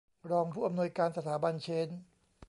รองผู้อำนวยการสถาบันเชนจ์